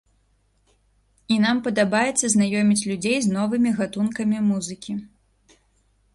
І нам падабаецца знаёміць людзей з новымі гатункамі музыкі.